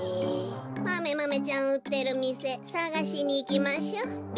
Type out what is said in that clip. マメマメちゃんうってるみせさがしにいきましょべ。